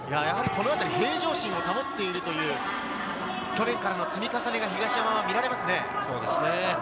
平常心を保っているという去年からの積み重ねは東山、見られますね。